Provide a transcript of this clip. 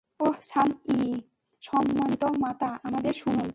ওহ, Sun Yi, সম্মানিত মাতা, আমাদের শুনুন।